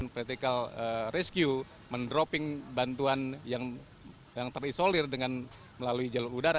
ketika penyelamat mendapatkan bantuan yang terisolir melalui jalur udara